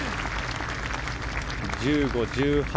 １５、１８。